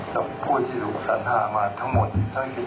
และผู้ที่ถูกสัญหามาทั้งหมดทั้ง๑๔คน